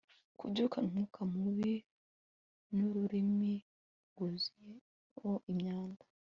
Kubyukana umwuka mubi nururimi rwuzuyeho imyanda